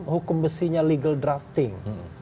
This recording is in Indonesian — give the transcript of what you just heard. hukum besinya legal drafting